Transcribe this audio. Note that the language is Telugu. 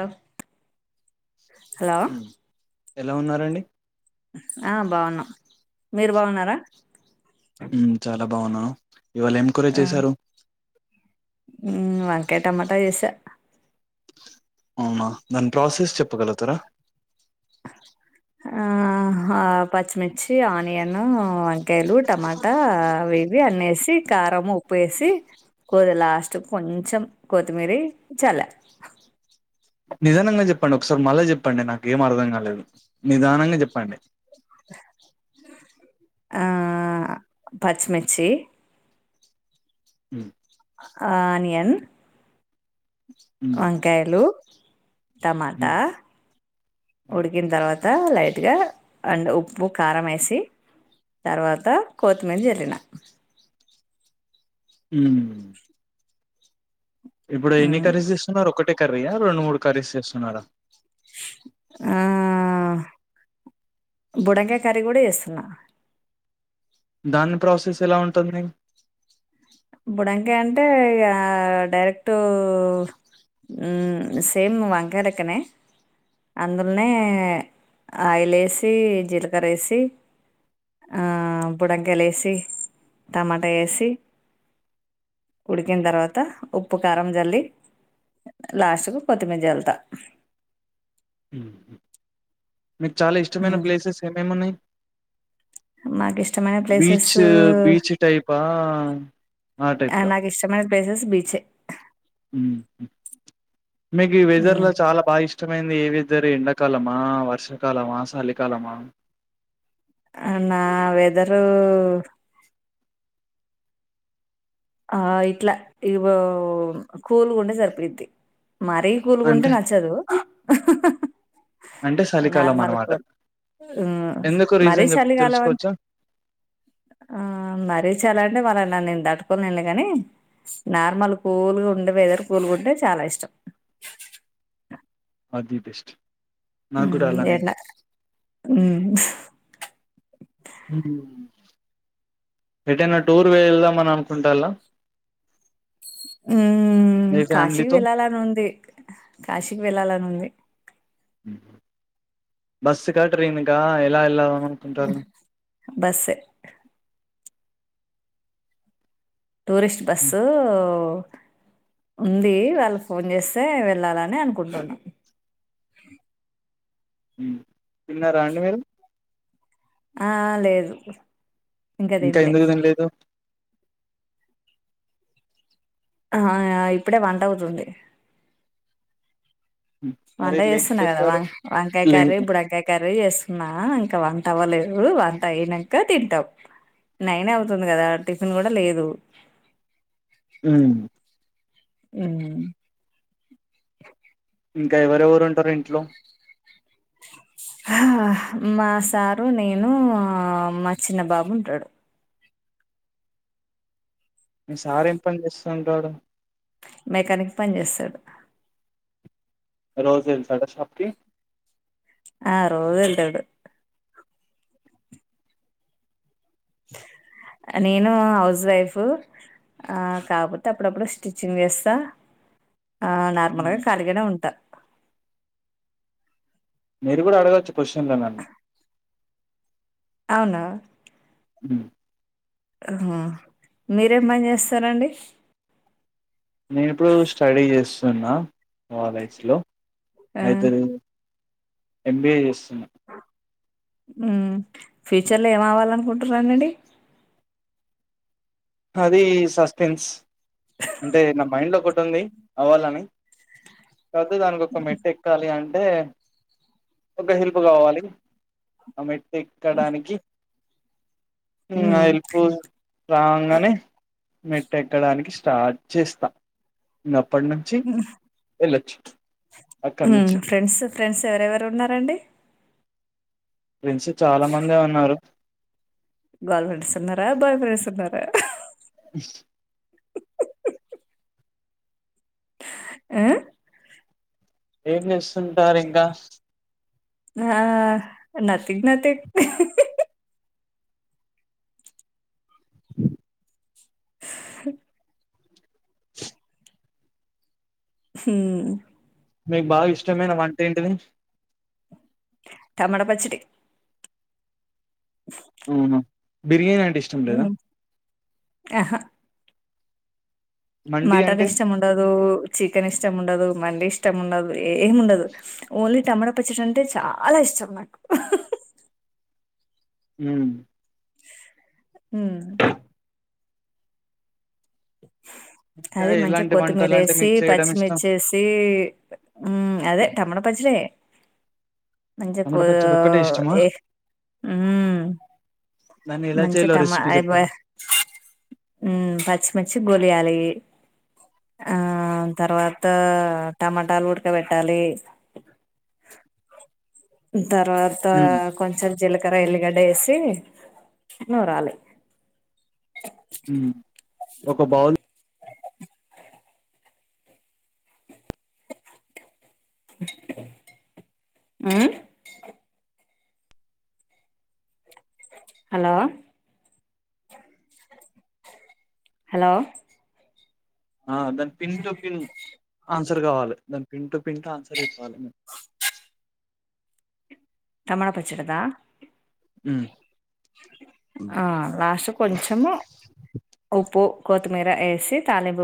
అ హలో హ్మ్ ఎలా ఉన్నారండి ఆ బాగున్నా మీరు బాగున్నారా చాల ఎలా బావును ఇవాళ ఏం కుర చేశారు మ్మ్ వంకాయ టమాటా వేసా అవునా దాని ప్రాసెస్ చెప్పగలుగుతారా ఆ ఆ పచ్చిమిర్చి ఆనియన్ వంకాయలు టమాటా అవి ఇవి అన్నేసి కారం ఉప్పు ఉప్పు వేసి కొది లాస్ట్ కొంచెం కొత్తిమీర చల్లె నిజానంగా చెప్పండి ఒకసారి మళ్ళీ చెప్పండి నాక ఏం అర్థం కాలేదు నిదానంగా చెప్పండి ఆ పచ్చిమిర్చ్ హ ఆనియన్ హ్మ్ వంకాయలు టమాటా హ్మ్ ఉడికిన తర్వాత తర్త లైట్గా అండ్ ఉప్పు కారం వేసి తర్వాత కొత్తిమీద జల్ళిన హ ఇప్పుడు ఎన్ని మ్, కరేజ్ చేస్తున్నారు ఒకటి క్క్రయా రెండు మూడు క రీస్ చేస్తున్నాడా ఆ బుడకాయ కర్రీ కూడా వేస్తున్నా దాని ప్రాసెస్ ఎలా ఉంటుంది బుడంకాయ అంటే ఇ డైరెక్ట్ సేమ్ వంకాయలెక్కనే అందులోనే ఆయిల్ వేసి జీలకర్ర వేసి బుడంకాయలు వేసి టమాటా వేసి ఉడికిన తర్వాత ఉప్పు కారం జల్లి లాస్ట్కు కొత్తిమీరళ్తా అ మీకు చాలా ఇష్టమైన ప్లేసెస్ ఏమేమి ఉన్నాయి మ ఇష్ బీచ్ బీచ్ టైపా ఆ టైప్గా బీచ్ అ మీకు ఈ వెదర్ ఉమ్. లో చాలా బా ఇష్టమైంది ఏవి వెదరి ఎండాకాలమా, వర్షాకాలమా, చలికాలమా అ న్నా వెదరు ఆ ఇట్లా ఇవిగో మ్ కూల్గ ఉంటే సరిపోయిద్ది మరీ కూలుగుంటే అంటే నచ్చదు అంటే చలికాలం నార్మల్ అనమాట. కు ఊ ఎందుకు మరీ రీజన్ చెప్ చలి కాల వ తెలుసుకోవచ్చా? ఆ మరీ చలంటే మల్ల నన్నే కూల్ నిల్ కానీ, నార్మల్ కూల్గా ఉండే వెదర్ కూల్గా ఉంటే చాలా ఇష్టం. ఆది బెస్ట్ నాకు కూడా ఊ అలానే ఎండ ఉ ఎటైనా టూర్ వెళ్దామని అనుకుంటాల? ఉమ్ కాశీ వెళ్లలని ఉంది. కాశీకి వెళ్ళాలని ఉంది. బస్సుకా ట్రెయినుకా ఎల ఎలా అనుకుంటారు? బస్సే టూరిస్ట్ హ్మ్ బస్సు ఊ ఉంది. వాళ్ళు ఫోన్ చేస్తే వెళ్ళాలని అనుకుంటున్న. హుం తిన్నార అండి మీరు ఆ లేదు ఇంకా ఇంక తినలే ఎందుకు తిన్లేదు ఆహ్ ఇప్పుడే వంట అవుతుంది హ్మ్. మరి వంట లేట్ చేస్తున్నా కదా. చేశారు. వం వంకాయ లేన్ కర్రీ, బుడంకాయ కర్రీ చేస్ నా ఇంక వంట అవ్వలేదు వంట అయినంక తింటం. నైన్ అవుతుంది కదా టిఫిన్ కూడ లేదు. ఊ ఊ ఇంక ఎవరెవరు ఉంటరు ఇంట్లో ఆహ్ మా సారు, నేను, మా చిన్న బాబు ఉంటడు. మీ సార్ ఏం పన్ చేస్తుంటడు? మెకానిక్ పని చేసడు రోజు ఎల్తాడ షాప్కి? ఆ రోజు ఎల్తడు హ నేను హౌస్ వైఫు, కాకపోతే అప్పుడప్పుడు స్టిచ్చింగ్ వేస్తా. ఆ హ్మ్ నార్మల్గా ఖాలిగానే ఉంటా మీరు కూడా అడగొచ్చు కొశన్లు నన్ను అవునా ఉమ్ ఉహు మీరేం పన్ చేస్తరండి? నేను ఇప్పుడు స్టడీ చేస్తున్న కాలేజ్లో ఆ! అయితే రీ ఎం బి ఏ చేస్ ఊ ఫ్యూచర్లో ఏం అవాలనుకుంటురనండి? అది సస్పెన్స్. అంటే నా మైండ్ల ఒకటుంది అవ్వాలని. కాకపోతే దానికి ఒక మెట్టు ఎక్కాలి అ అదే ఒక హెల్ప్ కావాలి ఆ మెట్ ఎక్కడానికి ఇంగ హ్మ్. ఆ హెల్పు మెట్టెక్కడానికి స్టార్ట్ చేస్తా అప్పటి నుంచి వెళ్ళొచ్చు అక్కడ మ్మ్ నుంచి ఫ్రెండ్స్ ఫ్రెండ్స్ ఎవరెవరు ఉన్నారండి ఫెండ్స్ చాలా మందే ఉన్నారు గల్ ఫ్రెండ్స్ ఉన్నారా బాయ్ ఫ్రెండ్ ఉన్నారా ఆ ఏం చేస్ కుంటారు ఇంకా ఆ నథింగ్ నథింగ్ హ్మ్ మీకు బాగా ఇష్టమేన వంట ఏంటిది టమట పచ్చడి అవున బిర్యాన్ ఇష్టం లేేదా ఆహా మండి మాటన్ అంటే ఇష్టం ఉండదు చికెన్ ఇష్టం ఉండదు మండి ఇష్టం ఉండదు ఏమి ఉండదు ఓన్లీ టమాటా పచ్చడి అంటే చాలా ఇష్టం నాకు మ్మ్ మ్మ్ ఇంకా అదే మంచిగా ఎలాంటి కొత్తిమీర వంటలు అంటే వేసి మీకు చేయడం ఇష్టం పచ్చిమిర్చేసి మ్మ్ అదే టమోట పచ్డే మ టమాట పచ్చడి ఒక్కటే ఇష్టమా ఏ దాన్ని ఎలా మ చేయాలో తమా రెసిపీ చెప్పండి [unintelligible] లియాలి ఆ తర్వాత టమాటాలు ఉడకబెట్టాలి తర్వాత హ్మ్ కొంచెం జీలకర ఎల్లిగడ్డ వేసి నూరాలి హ్మ్ ఒక బౌల్ మ్మ్ హలో హలో ఆ దాన్ పిన్ టు పిన్ ఆ ఆన్సర్ కావాలి దాని పిన్ టూ పిన్ ఆన్సర్ చెప్పాలే టమాట పచ్చడదా హ్మ్ ఆ లాస్ట్ కొంచెము ఉప్పు కొతిమీర ఎసి తాళింపు